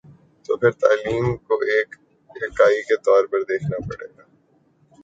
تو پھر تعلیم کو ایک اکائی کے طور پر دیکھنا پڑے گا۔